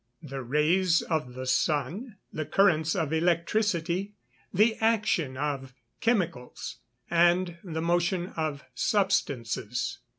_ The rays of the sun, the currents of electricity, the action of chemicals, and the motion of substances.